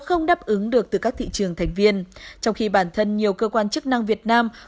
không đáp ứng được từ các thị trường thành viên trong khi bản thân nhiều cơ quan chức năng việt nam